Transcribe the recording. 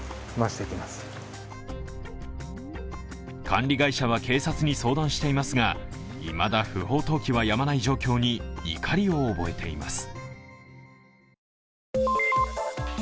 管理会社は警察に相談していますがいまだ不法投棄はやまない状況に怒りを覚えています。